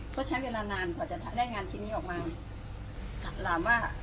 ก็ใช้เวลานานกว่าจะถามได้งานชีวิตนี้ออกมาจัดรามว่า